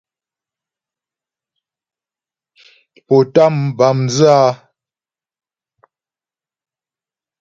Pó tám bǎ mdzə́ a ?